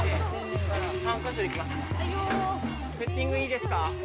セッティングいいですか。